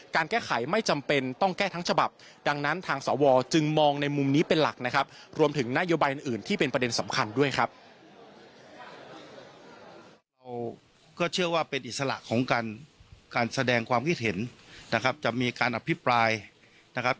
การแก้ไขไม่จำเป็นต้องแก้ทั้งฉบับ